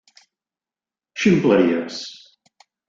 Ximpleries.